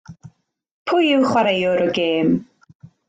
Pwy yw chwaraewr y gêm?